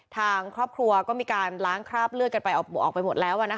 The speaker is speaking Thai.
ทางครอบครัวก็มีการล้างคราบเลือดกันไปออกไปหมดแล้ว